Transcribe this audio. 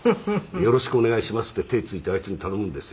「よろしくお願いしますって手着いてあいつに頼むんですよ」